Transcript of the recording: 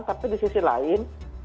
tapi di sisi lain